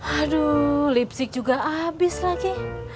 aduh lipstick juga habis lagi